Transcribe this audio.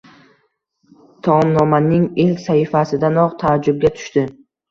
Taomnomaning ilk sahifasidanoq taajjubga tushdi.